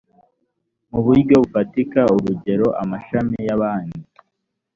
mu buryo bufatika urugero amashami ya banki